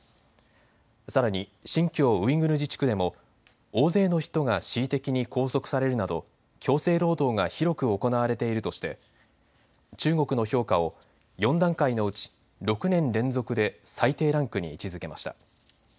さらに新疆ウイグル自治区でも大勢の人が恣意的に拘束されるなど強制労働が広く行われているとして中国の評価を４段階のうち６年連続で最低ランクに位置づけました。